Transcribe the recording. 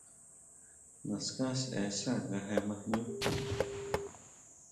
Naská sʼe sá nga je ma jñú.